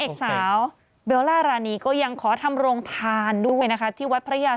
เอกสาวเบลล่ารานีก็ยังขอทำโรงทานด้วยนะคะที่วัดพระยา